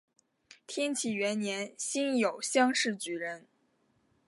天启元年辛酉乡试举人。